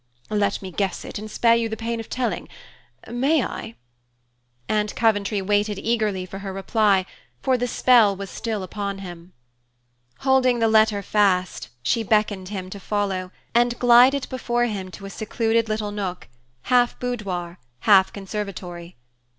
"Let me guess it, and spare you the pain of telling. May I?" And Coventry waited eagerly for her reply, for the spell was still upon him. Holding the letter fast, she beckoned him to follow, and glided before him to a secluded little nook, half boudoir, half conservatory.